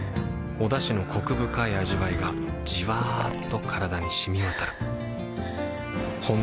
おだしのコク深い味わいがじわっと体に染み渡るはぁ。